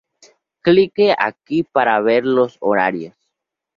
Clique aquí para ver los horarios.